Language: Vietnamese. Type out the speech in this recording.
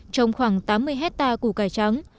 trồng khoảng tám mươi hectare củ cải trắng